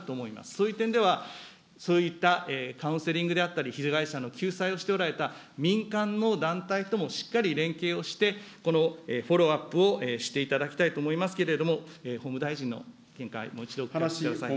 そういう点では、そういったカウンセリングであったり、被害者の救済をしておられた民間の団体ともしっかり連携をして、このフォローアップをしていただきたいと思いますけれども、法務大臣の見解、もう一度お聞かせください。